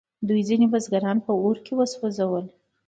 دوی ځینې بزګران په اور وسوځول.